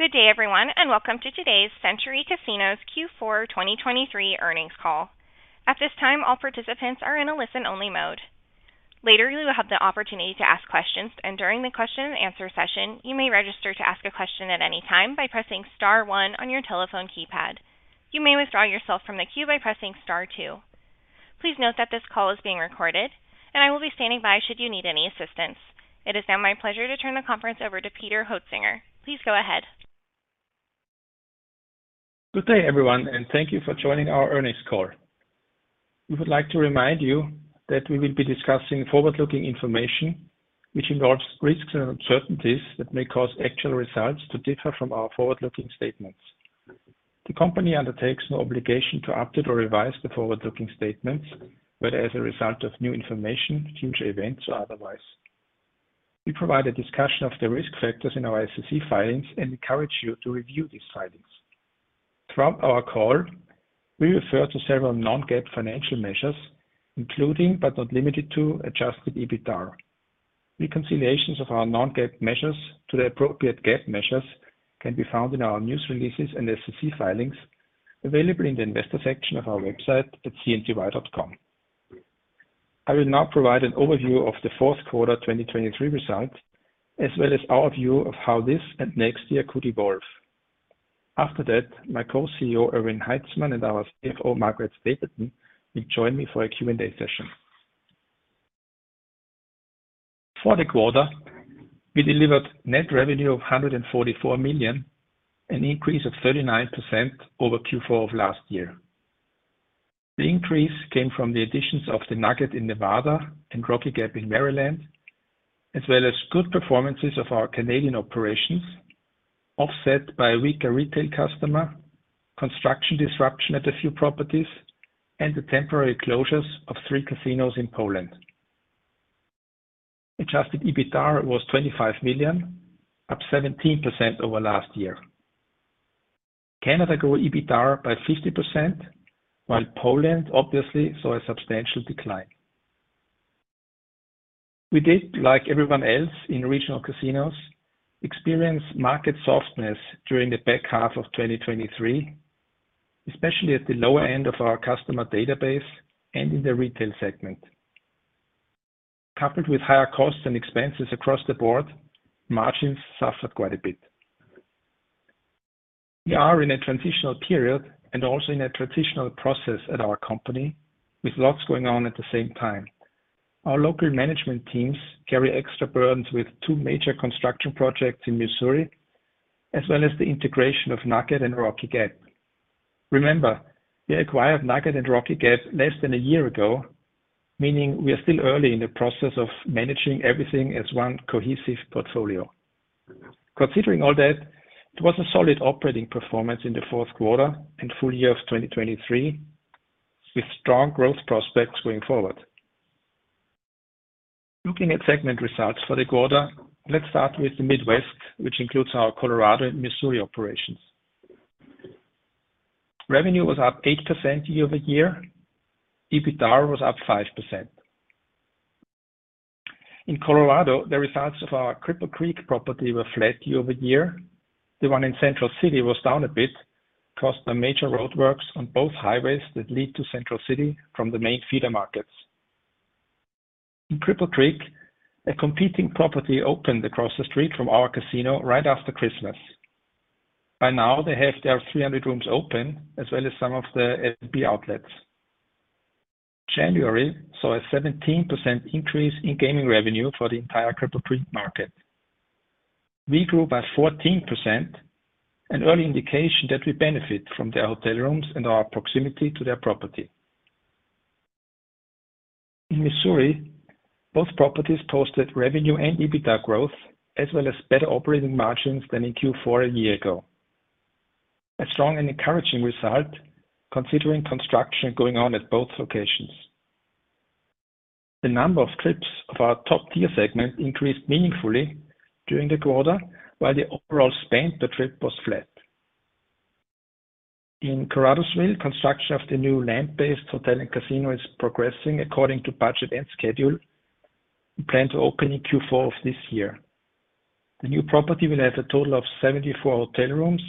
Good day, everyone, and welcome to today's Century Casinos Q4 2023 earnings call. At this time, all participants are in a listen-only mode. Later, you will have the opportunity to ask questions, and during the question and answer session, you may register to ask a question at any time by pressing star one on your telephone keypad. You may withdraw yourself from the queue by pressing star two. Please note that this call is being recorded, and I will be standing by should you need any assistance. It is now my pleasure to turn the conference over to Peter Hoetzinger. Please go ahead. Good day, everyone, and thank you for joining our earnings call. We would like to remind you that we will be discussing forward-looking information, which involves risks and uncertainties that may cause actual results to differ from our forward-looking statements. The company undertakes no obligation to update or revise the forward-looking statements, whether as a result of new information, future events, or otherwise. We provide a discussion of the risk factors in our SEC filings and encourage you to review these filings. Throughout our call, we refer to several non-GAAP financial measures, including, but not limited to, Adjusted EBITDA. Reconciliations of our non-GAAP measures to the appropriate GAAP measures can be found in our news releases and SEC filings, available in the investor section of our website at cnty.com. I will now provide an overview of the fourth quarter 2023 results, as well as our view of how this and next year could evolve. After that, my co-CEO, Erwin Haitzmann, and our CFO, Margaret Stapleton, will join me for a Q&A session. For the quarter, we delivered net revenue of $144 million, an increase of 39% over Q4 of last year. The increase came from the additions of the Nugget in Nevada and Rocky Gap in Maryland, as well as good performances of our Canadian operations, offset by a weaker retail customer, construction disruption at a few properties, and the temporary closures of three casinos in Poland. Adjusted EBITDA was $25 million, up 17% over last year. Canada grew EBITDA by 50%, while Poland obviously saw a substantial decline. We did, like everyone else in regional casinos, experience market softness during the back half of 2023, especially at the lower end of our customer database and in the retail segment. Coupled with higher costs and expenses across the board, margins suffered quite a bit. We are in a transitional period and also in a transitional process at our company, with lots going on at the same time. Our local management teams carry extra burdens with two major construction projects in Missouri, as well as the integration of Nugget and Rocky Gap. Remember, we acquired Nugget and Rocky Gap less than a year ago, meaning we are still early in the process of managing everything as one cohesive portfolio. Considering all that, it was a solid operating performance in the fourth quarter and full year of 2023, with strong growth prospects going forward. Looking at segment results for the quarter, let's start with the Midwest, which includes our Colorado and Missouri operations. Revenue was up 8% year-over-year. EBITDA was up 5%. In Colorado, the results of our Cripple Creek property were flat year-over-year. The one in Central City was down a bit, caused by major roadworks on both highways that lead to Central City from the main feeder markets. In Cripple Creek, a competing property opened across the street from our casino right after Christmas. By now, they have their 300 rooms open, as well as some of the F&B outlets. January saw a 17% increase in gaming revenue for the entire Cripple Creek market. We grew by 14%, an early indication that we benefit from their hotel rooms and our proximity to their property. In Missouri, both properties posted revenue and EBITDA growth, as well as better operating margins than in Q4 a year ago. A strong and encouraging result, considering construction going on at both locations. The number of trips of our top-tier segment increased meaningfully during the quarter, while the overall spend per trip was flat. In Caruthersville, construction of the new land-based hotel and casino is progressing according to budget and schedule. We plan to open in Q4 of this year. The new property will have a total of 74 hotel rooms,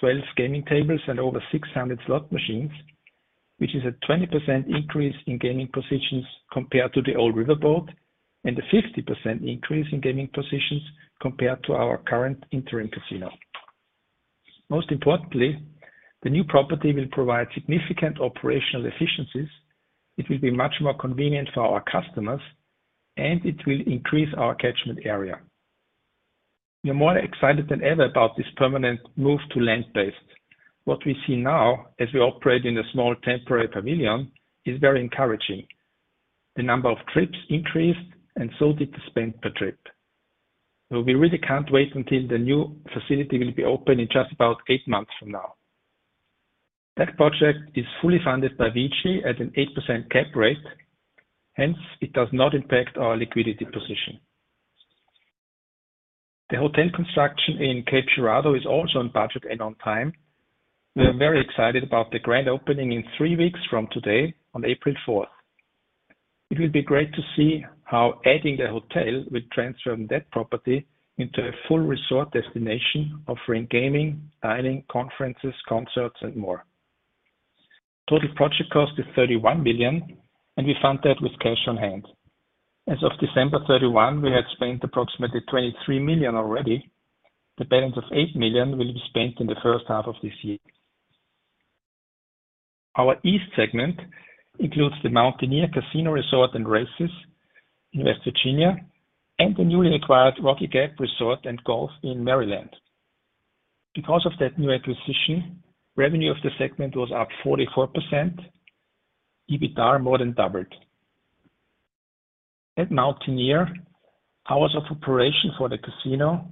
12 gaming tables, and over 600 slot machines, which is a 20% increase in gaming positions compared to the old riverboat, and a 50% increase in gaming positions compared to our current interim casino. Most importantly, the new property will provide significant operational efficiencies. It will be much more convenient for our customers, and it will increase our catchment area. We are more excited than ever about this permanent move to land-based. What we see now, as we operate in a small temporary pavilion, is very encouraging. The number of trips increased, and so did the spend per trip. So we really can't wait until the new facility will be open in just about 8 months from now. That project is fully funded by VICI at an 8% cap rate, hence, it does not impact our liquidity position. The hotel construction in Cape Girardeau is also on budget and on time. We are very excited about the grand opening in three weeks from today on April fourth. It will be great to see how adding the hotel will transform that property into a full resort destination, offering gaming, dining, conferences, concerts, and more. Total project cost is $31 million, and we fund that with cash on hand. As of December 31, we had spent approximately $23 million already. The balance of $8 million will be spent in the first half of this year. Our East segment includes the Mountaineer Casino, Racetrack & Resort in West Virginia, and the newly acquired Rocky Gap Casino Resort in Maryland. Because of that new acquisition, revenue of the segment was up 44%, EBITDA more than doubled. At Mountaineer, hours of operation for the casino,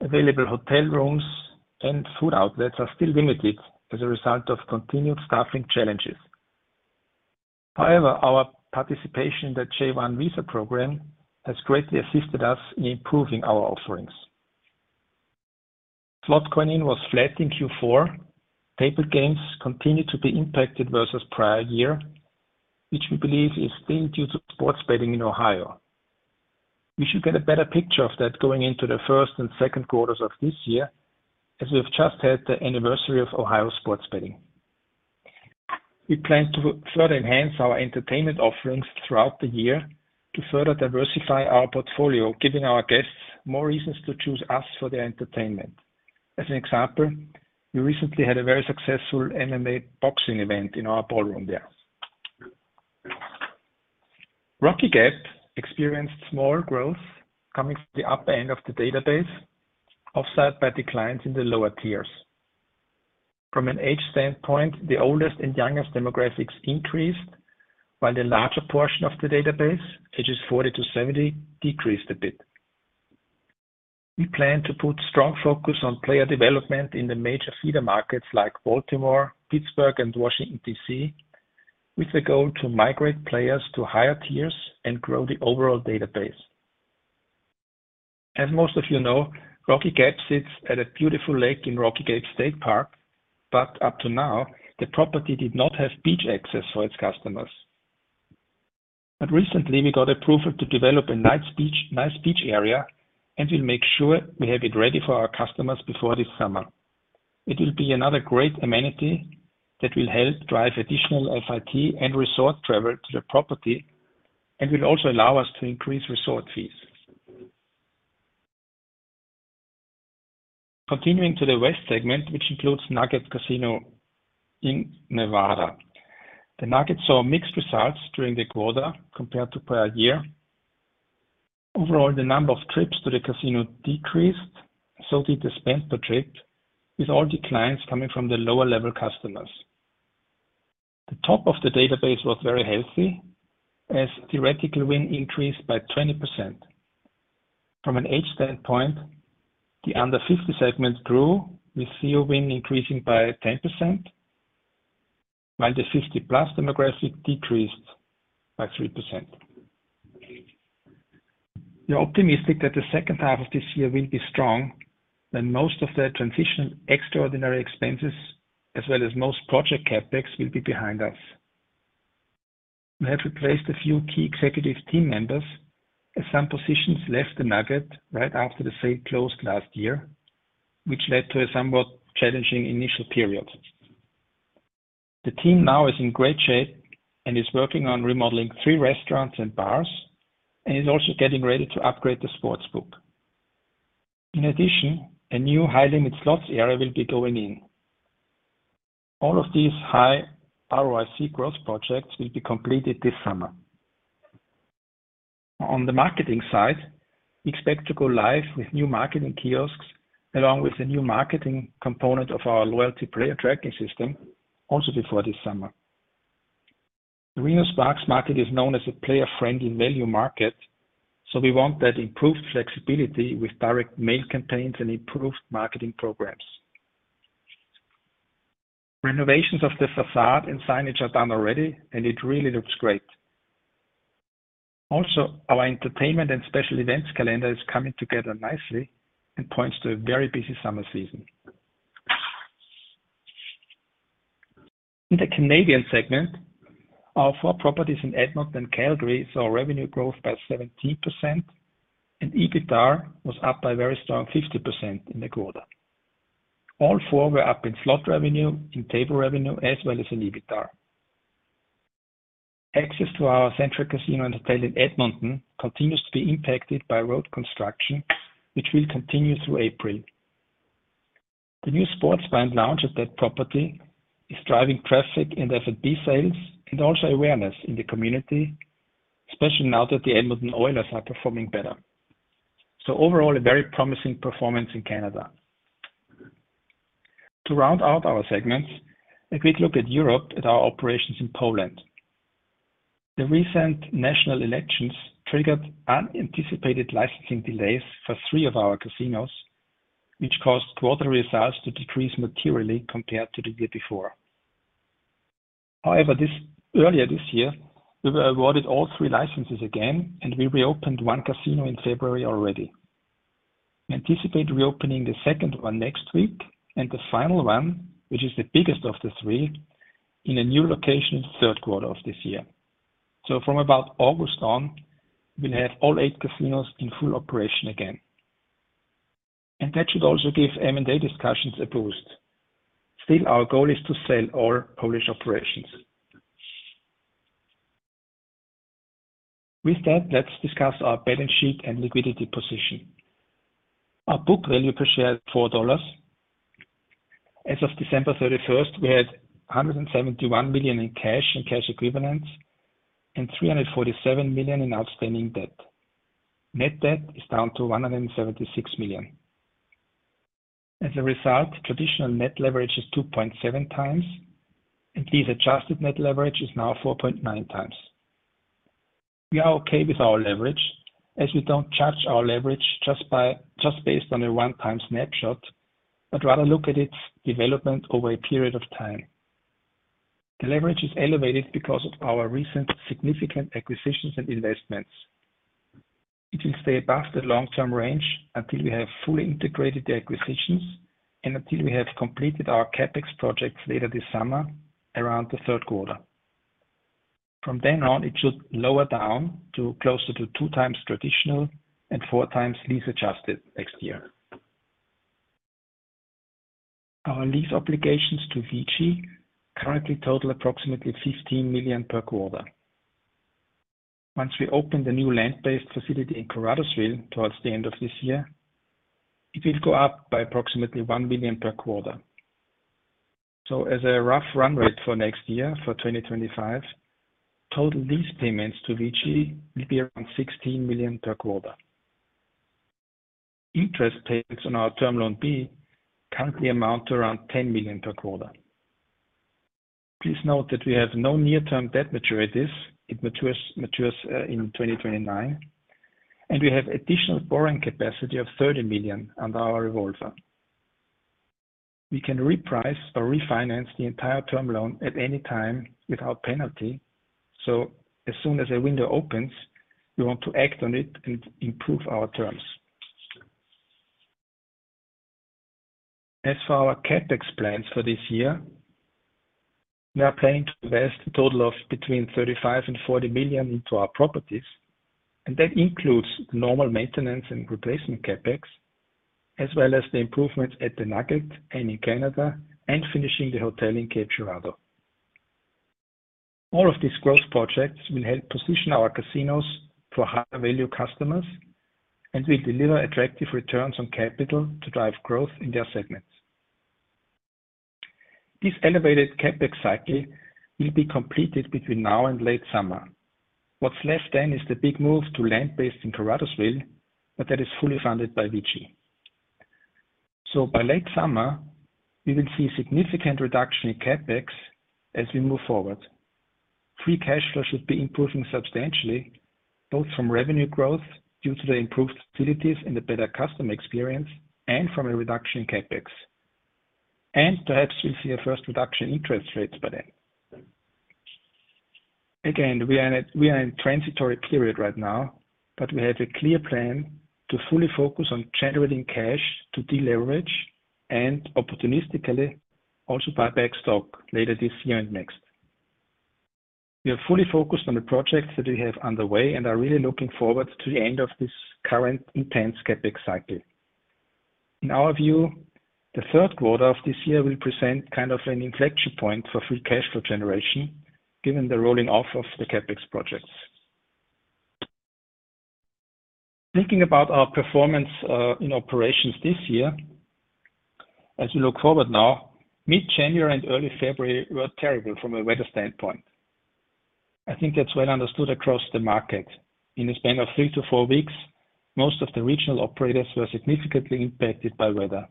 available hotel rooms, and food outlets are still limited as a result of continued staffing challenges. However, our participation in the J-1 Visa program has greatly assisted us in improving our offerings. Slot coin in was flat in Q4. Table games continued to be impacted versus prior year, which we believe is still due to sports betting in Ohio. We should get a better picture of that going into the first and second quarters of this year, as we've just had the anniversary of Ohio sports betting. We plan to further enhance our entertainment offerings throughout the year to further diversify our portfolio, giving our guests more reasons to choose us for their entertainment. As an example, we recently had a very successful MMA boxing event in our ballroom there. Rocky Gap experienced small growth coming from the upper end of the database, offset by declines in the lower tiers. From an age standpoint, the oldest and youngest demographics increased, while the larger portion of the database, ages 40-70, decreased a bit. We plan to put strong focus on player development in the major feeder markets like Baltimore, Pittsburgh, and Washington, D.C., with the goal to migrate players to higher tiers and grow the overall database. As most of you know, Rocky Gap sits at a beautiful lake in Rocky Gap State Park, but up to now, the property did not have beach access for its customers. But recently, we got approval to develop a nice beach, nice beach area, and we'll make sure we have it ready for our customers before this summer. It will be another great amenity that will help drive additional FIT and resort travel to the property, and will also allow us to increase resort fees. Continuing to the West segment, which includes Nugget Casino in Nevada. The Nugget saw mixed results during the quarter compared to prior year. Overall, the number of trips to the casino decreased, so did the spend per trip, with all declines coming from the lower-level customers. The top of the database was very healthy, as theoretical win increased by 20%. From an age standpoint, the under 50 segment grew, with theoretical win increasing by 10%, while the 50-plus demographic decreased by 3%. We're optimistic that the second half of this year will be strong, when most of the transitional extraordinary expenses, as well as most project CapEx, will be behind us. We have replaced a few key executive team members, as some positions left the Nugget right after the sale closed last year, which led to a somewhat challenging initial period. The team now is in great shape and is working on remodeling three restaurants and bars, and is also getting ready to upgrade the sportsbook. In addition, a new high-limit slots area will be going in. All of these high ROIC growth projects will be completed this summer. On the marketing side, we expect to go live with new marketing kiosks, along with a new marketing component of our loyalty player tracking system, also before this summer. Reno-Sparks market is known as a player-friendly value market, so we want that improved flexibility with direct mail campaigns and improved marketing programs. Renovations of the facade and signage are done already, and it really looks great. Also, our entertainment and special events calendar is coming together nicely and points to a very busy summer season. In the Canadian segment, our four properties in Edmonton and Calgary saw revenue growth by 17%, and EBITDA was up by a very strong 50% in the quarter. All four were up in slot revenue, in table revenue, as well as in EBITDA. Access to our Century Casino and Hotel in Edmonton continues to be impacted by road construction, which will continue through April. The new sports bar and lounge at that property is driving traffic and F&B sales, and also awareness in the community, especially now that the Edmonton Oilers are performing better. So overall, a very promising performance in Canada. To round out our segments, a quick look at Europe at our operations in Poland. The recent national elections triggered unanticipated licensing delays for three of our casinos, which caused quarter results to decrease materially compared to the year before. However, earlier this year, we were awarded all three licenses again, and we reopened one casino in February already. We anticipate reopening the second one next week, and the final one, which is the biggest of the three, in a new location, third quarter of this year. So from about August on, we'll have all eight casinos in full operation again. And that should also give M&A discussions a boost. Still, our goal is to sell all Polish operations. With that, let's discuss our balance sheet and liquidity position. Our book value per share is $4. As of December thirty-first, we had $171 million in cash and cash equivalents, and $347 million in outstanding debt. Net debt is down to $176 million. As a result, traditional net leverage is 2.7x, and lease-adjusted net leverage is now 4.9x. We are okay with our leverage, as we don't judge our leverage just based on a one-time snapshot, but rather look at its development over a period of time. The leverage is elevated because of our recent significant acquisitions and investments. It will stay above the long-term range until we have fully integrated the acquisitions and until we have completed our CapEx projects later this summer, around the third quarter. From then on, it should lower down to closer to two times traditional and four times lease-adjusted next year. Our lease obligations to VICI currently total approximately $15 million per quarter. Once we open the new land-based facility in Caruthersville towards the end of this year, it will go up by approximately $1 million per quarter. So as a rough run rate for next year, for 2025, total lease payments to VICI will be around $16 million per quarter. Interest payments on our term loan B currently amount to around $10 million per quarter. Please note that we have no near-term debt maturities. It matures, matures, in 2029, and we have additional borrowing capacity of $30 million under our revolver. We can reprice or refinance the entire term loan at any time without penalty, so as soon as a window opens, we want to act on it and improve our terms. As for our CapEx plans for this year, we are planning to invest a total of between $35 million and $40 million into our properties, and that includes normal maintenance and replacement CapEx, as well as the improvements at the Nugget and in Canada, and finishing the hotel in Cape Girardeau. All of these growth projects will help position our casinos for higher-value customers, and will deliver attractive returns on capital to drive growth in their segments. This elevated CapEx cycle will be completed between now and late summer. What's left then is the big move to land-based in Caruthersville, but that is fully funded by VICI. So by late summer, we will see a significant reduction in CapEx as we move forward. Free cash flow should be improving substantially, both from revenue growth due to the improved facilities and the better customer experience, and from a reduction in CapEx. Perhaps we'll see a first reduction in interest rates by then. Again, we are in a transitory period right now, but we have a clear plan to fully focus on generating cash to deleverage and opportunistically also buy back stock later this year and next. We are fully focused on the projects that we have underway and are really looking forward to the end of this current intense CapEx cycle. In our view, the third quarter of this year will present kind of an inflection point for free cash flow generation, given the rolling off of the CapEx projects. Thinking about our performance in operations this year, as we look forward now, mid-January and early February were terrible from a weather standpoint. I think that's well understood across the market. In the span of 3-4 weeks, most of the regional operators were significantly impacted by weather.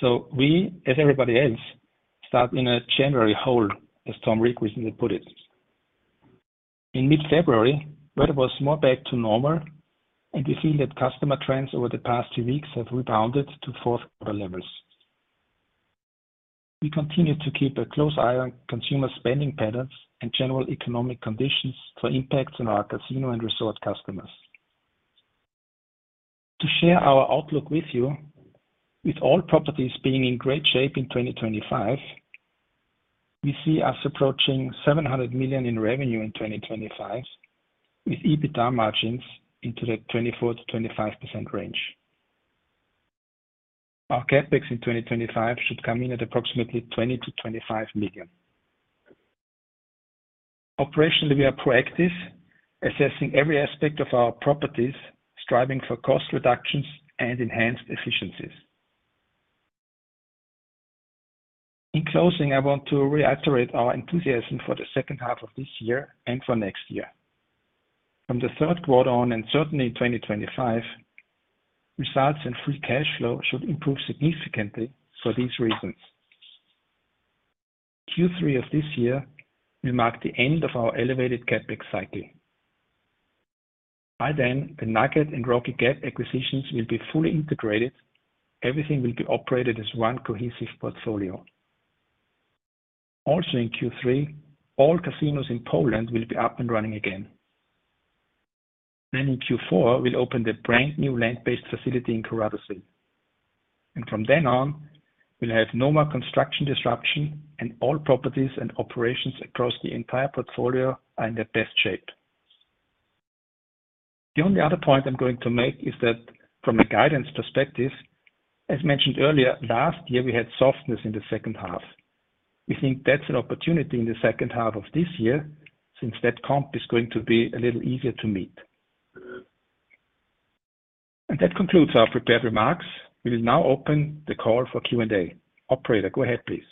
So we, as everybody else, start in a January hole, as Tom Reeg recently put it. In mid-February, weather was more back to normal, and we see that customer trends over the past 2 weeks have rebounded to fourth quarter levels. We continue to keep a close eye on consumer spending patterns and general economic conditions for impacts on our casino and resort customers. To share our outlook with you, with all properties being in great shape in 2025, we see us approaching $700 million in revenue in 2025, with EBITDA margins into the 24%-25% range. Our CapEx in 2025 should come in at approximately $20 million-$25 million. Operationally, we are proactive, assessing every aspect of our properties, striving for cost reductions and enhanced efficiencies. In closing, I want to reiterate our enthusiasm for the second half of this year and for next year. From the third quarter on, and certainly in 2025, results and free cash flow should improve significantly for these reasons. Q3 of this year will mark the end of our elevated CapEx cycle. By then, the Nugget and Rocky Gap acquisitions will be fully integrated. Everything will be operated as one cohesive portfolio.... Also in Q3, all casinos in Poland will be up and running again. Then in Q4, we'll open the brand new land-based facility in Caruthersville. And from then on, we'll have no more construction disruption, and all properties and operations across the entire portfolio are in their best shape. The only other point I'm going to make is that from a guidance perspective, as mentioned earlier, last year, we had softness in the second half. We think that's an opportunity in the second half of this year, since that comp is going to be a little easier to meet. And that concludes our prepared remarks. We will now open the call for Q&A. Operator, go ahead, please.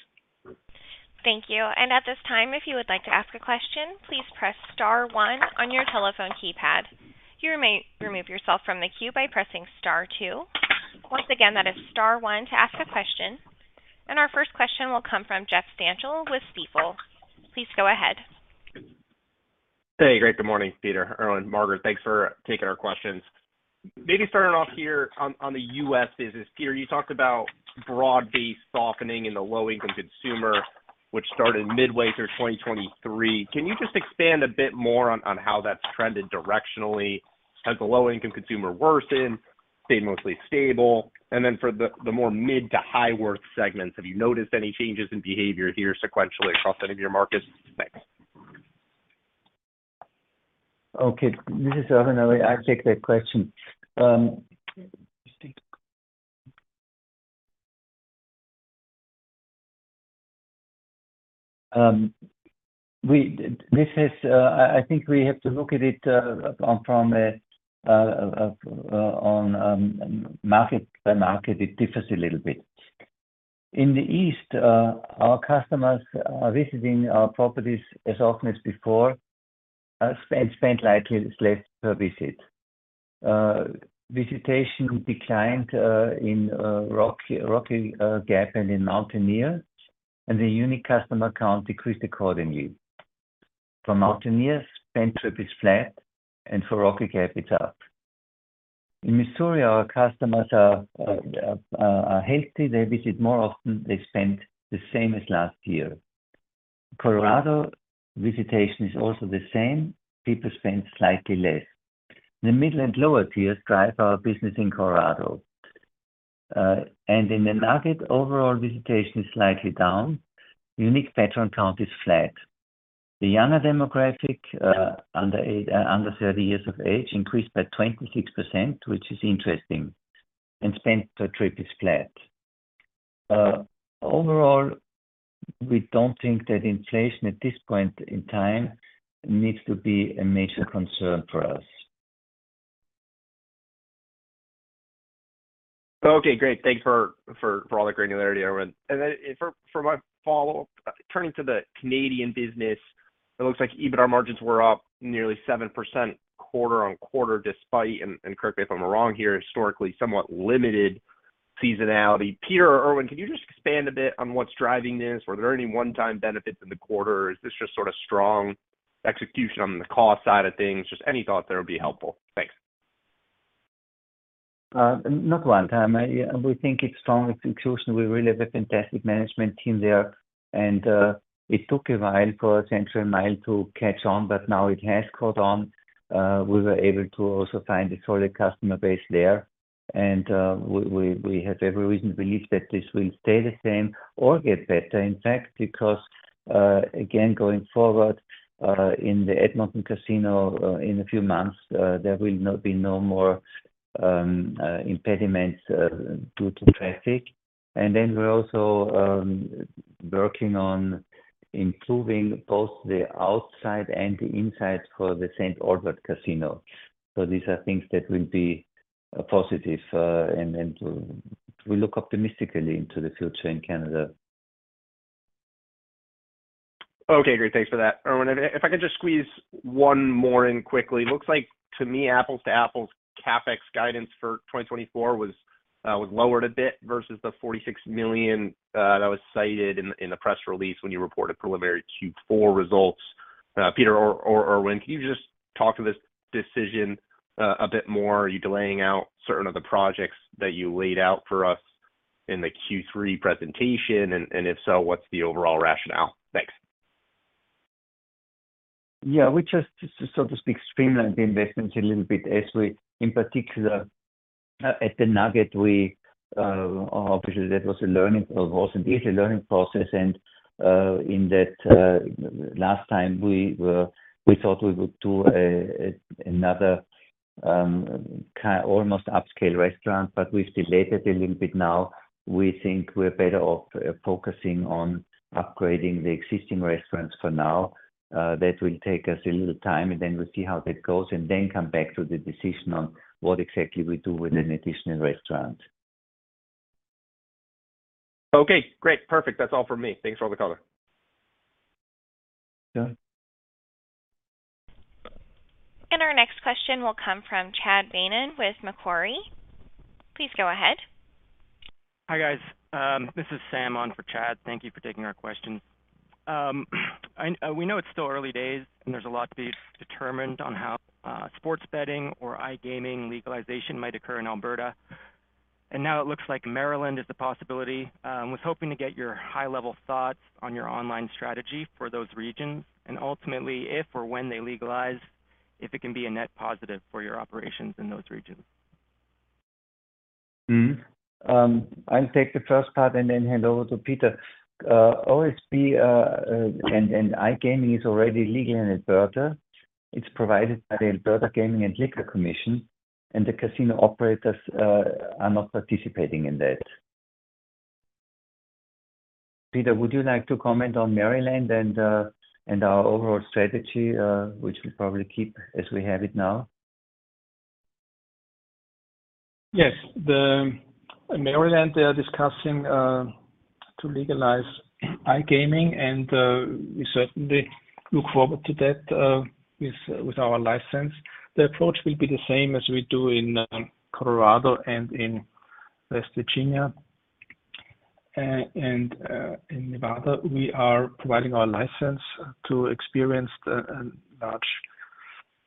Thank you. At this time, if you would like to ask a question, please press star one on your telephone keypad. You may remove yourself from the queue by pressing star two. Once again, that is star one to ask a question. Our first question will come from Jeff Stantial with Stifel. Please go ahead. Hey, great. Good morning, Peter, Erwin, Margaret. Thanks for taking our questions. Maybe starting off here on the U.S. business. Peter, you talked about broad-based softening in the low-income consumer, which started midway through 2023. Can you just expand a bit more on how that's trended directionally? Has the low-income consumer worsened, stayed mostly stable? And then for the more mid to high worth segments, have you noticed any changes in behavior here sequentially across any of your markets? Thanks. Okay, this is Erwin. I'll take that question. I think we have to look at it from a market by market, it differs a little bit. In the east, our customers are visiting our properties as often as before, and spend slightly less per visit. Visitation declined in Rocky Gap and in Mountaineer, and the unique customer count decreased accordingly. For Mountaineers, spend trip is flat, and for Rocky Gap, it's up. In Missouri, our customers are healthy. They visit more often, they spend the same as last year. Colorado, visitation is also the same. People spend slightly less. The middle and lower tiers drive our business in Colorado. And in the Nugget, overall visitation is slightly down. Unique patron count is flat. The younger demographic under 30 years of age increased by 26%, which is interesting, and spend per trip is flat. Overall, we don't think that inflation at this point in time needs to be a major concern for us. Okay, great. Thank you for all the granularity, Erwin. And then for my follow-up, turning to the Canadian business, it looks like EBITDA margins were up nearly 7% quarter-on-quarter, despite and correct me if I'm wrong here, historically, somewhat limited seasonality. Peter or Erwin, can you just expand a bit on what's driving this? Were there any one-time benefits in the quarter, or is this just sort of strong execution on the cost side of things? Just any thought there would be helpful. Thanks. Not one time. We think it's strong execution. We really have a fantastic management team there, and it took a while for Century Mile to catch on, but now it has caught on. We were able to also find a solid customer base there, and we have every reason to believe that this will stay the same or get better, in fact, because, again, going forward, in the Edmonton Casino, in a few months, there will not be no more impediments due to traffic. And then we're also working on improving both the outside and the inside for the St. Albert Casino. So these are things that will be positive, and then we look optimistically into the future in Canada. Okay, great. Thanks for that. Erwin, if I could just squeeze one more in quickly. It looks like to me, apples to apples, CapEx guidance for 2024 was lowered a bit versus the $46 million that was cited in the press release when you reported preliminary Q4 results. Peter or Erwin, can you just talk to this decision a bit more? Are you delaying certain of the projects that you laid out for us in the Q3 presentation? And if so, what's the overall rationale? Thanks. Yeah, we just, so to speak, streamlined the investments a little bit as we—in particular, at the Nugget, we obviously, that was a learning—it is a learning process, and, in that, last time we were—we thought we would do another kind of almost upscale restaurant, but we've delayed it a little bit now. We think we're better off focusing on upgrading the existing restaurants for now. That will take us a little time, and then we'll see how that goes, and then come back to the decision on what exactly we do with an additional restaurant. Okay, great. Perfect. That's all for me. Thanks for all the color. Yeah. Our next question will come from Chad Beynon with Macquarie. Please go ahead. Hi, guys. This is Sam on for Chad. Thank you for taking our question. We know it's still early days, and there's a lot to be determined on how sports betting or iGaming legalization might occur in Alberta.... And now it looks like Maryland is a possibility. Was hoping to get your high-level thoughts on your online strategy for those regions, and ultimately, if or when they legalize, if it can be a net positive for your operations in those regions. Mm-hmm. I'll take the first part and then hand over to Peter. OSB and iGaming is already legal in Alberta. It's provided by the Alberta Gaming and Liquor Commission, and the casino operators are not participating in that. Peter, would you like to comment on Maryland and our overall strategy, which we'll probably keep as we have it now? Yes. In Maryland, they are discussing to legalize iGaming, and we certainly look forward to that with our license. The approach will be the same as we do in Colorado and in West Virginia and in Nevada. We are providing our license to experienced and large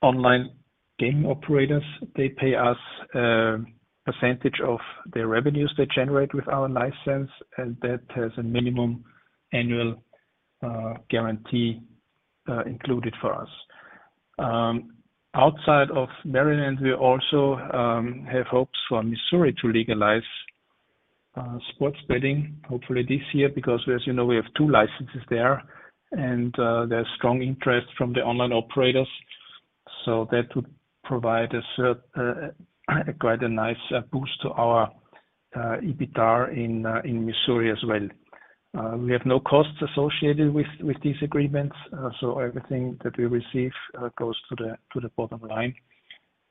online gaming operators. They pay us a percentage of the revenues they generate with our license, and that has a minimum annual guarantee included for us. Outside of Maryland, we also have hopes for Missouri to legalize sports betting, hopefully this year, because as you know, we have two licenses there, and there's strong interest from the online operators. So that would provide us quite a nice boost to our EBITDAR in Missouri as well. We have no costs associated with these agreements, so everything that we receive goes to the bottom line.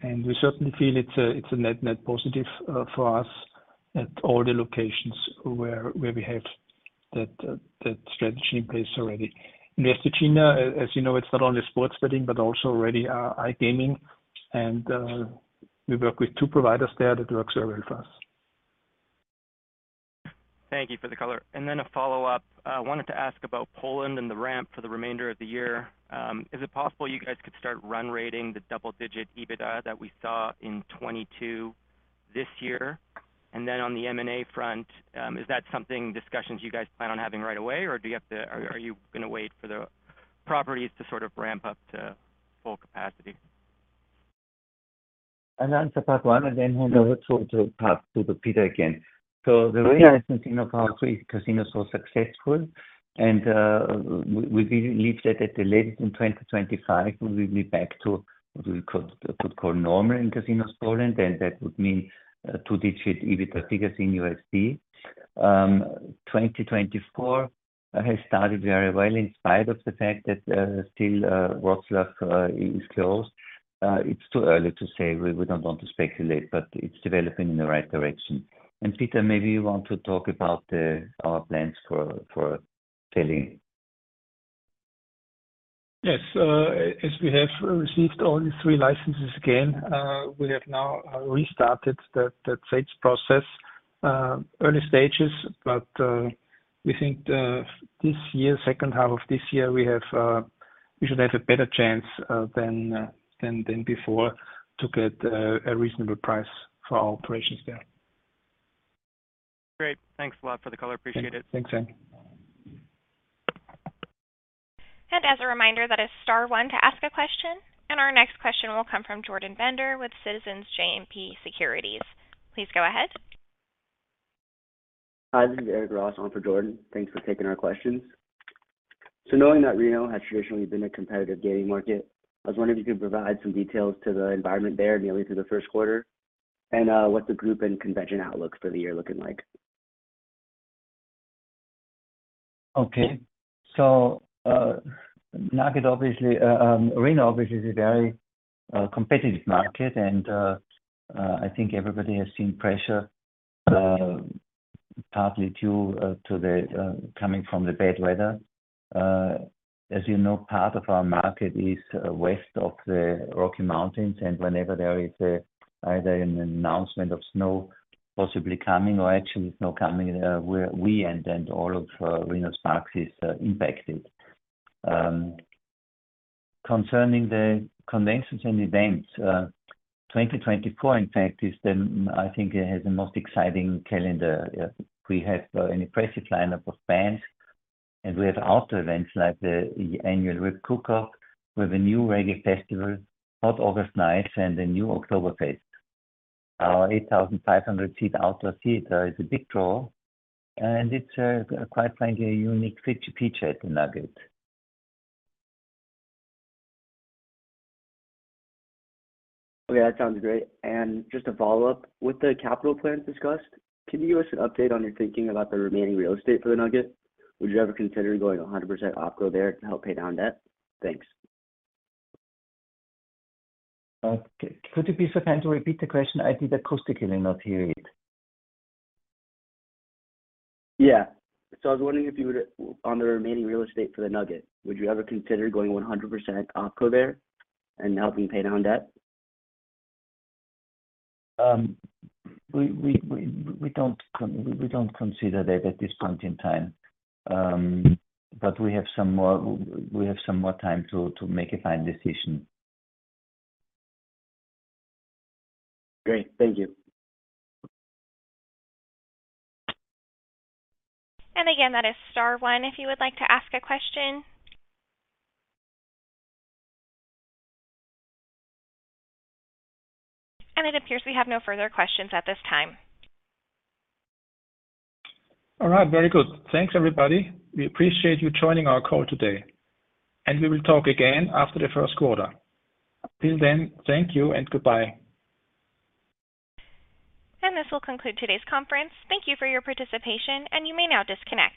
We certainly feel it's a net-net positive for us at all the locations where we have that strategy in place already. In West Virginia, as you know, it's not only sports betting but also already iGaming, and we work with two providers there that works very well for us. Thank you for the color. Then a follow-up. I wanted to ask about Poland and the ramp for the remainder of the year. Is it possible you guys could start run rating the double-digit EBITDA that we saw in 2022 this year? And then on the M&A front, is that something, discussions you guys plan on having right away, or do you have to—are, are you going to wait for the properties to sort of ramp up to full capacity? I'll answer part one and then hand over to Peter again. So the reason I think our three casinos were successful, and we believe that at the latest in 2025, we will be back to what we could call normal in casinos Poland, and that would mean two-digit EBITDA figures in USD. 2024 has started very well, in spite of the fact that still Wroclaw is closed. It's too early to say. We don't want to speculate, but it's developing in the right direction. And Peter, maybe you want to talk about our plans for selling. Yes. As we have received only three licenses again, we have now restarted the sales process. Early stages, but we think this year, second half of this year, we should have a better chance than before to get a reasonable price for our operations there. Great. Thanks a lot for the color. Appreciate it. Thanks, okay. And as a reminder, that is star one to ask a question, and our next question will come from Jordan Bender with Citizens JMP Securities. Please go ahead. Hi, this is Eric Ross on for Jordan. Thanks for taking our questions. Knowing that Reno has traditionally been a competitive gaming market, I was wondering if you could provide some details to the environment there nearly through the first quarter, and what's the group and convention outlook for the year looking like? Okay. So, Nugget obviously, Reno obviously is a very competitive market, and I think everybody has seen pressure, partly due to the coming from the bad weather. As you know, part of our market is west of the Rocky Mountains, and whenever there is either an announcement of snow possibly coming or actually snow coming, we and all of Reno-Sparks is impacted. Concerning the conventions and events, 2024, in fact, is the, I think it has the most exciting calendar. We have an impressive lineup of bands, and we have outdoor events like the annual Rib Cookoff, with a new reggae festival, Hot August Nights, and a new Oktoberfest. Our 8,500-seat outdoor theater is a big draw, and it's quite frankly, a unique feature at the Nugget. Okay, that sounds great. Just a follow-up: with the capital plans discussed, can you give us an update on your thinking about the remaining real estate for the Nugget? Would you ever consider going 100% opco there to help pay down debt? Thanks. Okay. Could you be so kind to repeat the question? I think the acoustics in here not hear it. Yeah. So I was wondering if you would, on the remaining real estate for the Nugget, would you ever consider going 100% OpCo there and helping pay down debt? We don't consider that at this point in time. But we have some more time to make a final decision. Great. Thank you. Again, that is star one if you would like to ask a question. It appears we have no further questions at this time. All right. Very good. Thanks, everybody. We appreciate you joining our call today, and we will talk again after the first quarter. Till then, thank you and goodbye. This will conclude today's conference. Thank you for your participation, and you may now disconnect.